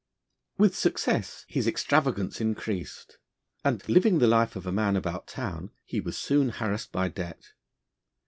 With success his extravagance increased, and, living the life of a man about town, he was soon harassed by debt.